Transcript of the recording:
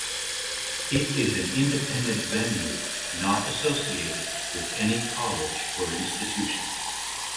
It is an independent venue not associated with any college or institution.